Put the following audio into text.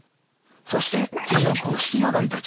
そして次の公式が成り立ちます。